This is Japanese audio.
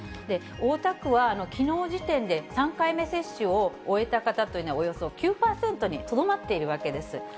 大田区はきのう時点で、３回目接種を終えた方というのは、およそ９％にとどまっているわけなんです。